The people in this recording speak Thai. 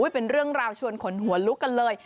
เป็นเรื่องราวชวนขนหัวลุกกันเลย